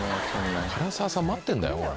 唐沢さん待ってんだよお前。